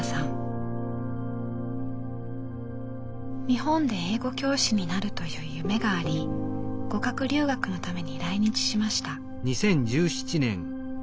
日本で英語教師になるという夢があり語学留学のために来日しました。